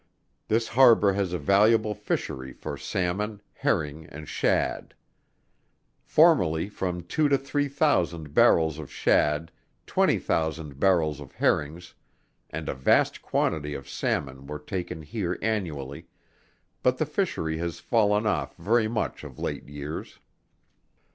This harbor has a valuable fishery for Salmon, Herring, and Shad. Formerly from two to three thousand barrels of Shad, twenty thousand barrels of herrings, and a vast quantity of Salmon were taken here annually; but the fishery has fallen off very much of late years.